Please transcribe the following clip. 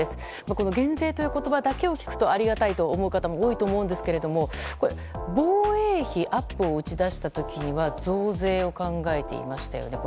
この減税という言葉だけを聞くとありがたいと思う方も多いと思うんですが防衛費アップを打ち出した時には増税を考えていましたよね。